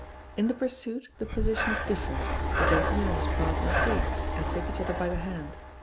In the pursuit the position is different, the gentleman and his partner face, and take each other by the hand.